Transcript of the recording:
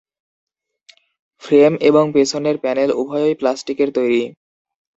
Frame এবং পেছনের panel উভয়ই প্লাস্টিকের তৈরি।